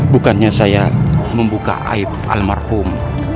bukannya saya membuka aib almarhum